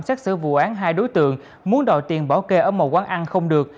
xét xử vụ án hai đối tượng muốn đòi tiền bỏ kê ở một quán ăn không được